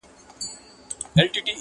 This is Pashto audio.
تر ننګرهار- تر کندهار ښکلی دی-